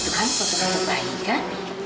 itu kan foto foto bayi kan